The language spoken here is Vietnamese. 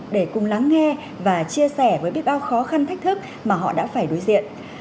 để cùng lắng nghe và chia sẻ với biết bao khó khăn thách thức mà họ đã phải đối diện